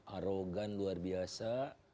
arogan luar biasa